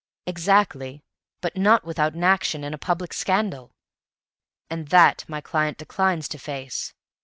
"Exactly; but not without an action and a public scandal, and that my client declines to face.